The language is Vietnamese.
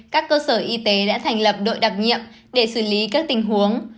các cơ sở y tế đã thành lập đội đặc nhiệm để xử lý các tình huống